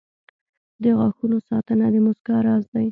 • د غاښونو ساتنه د مسکا راز دی.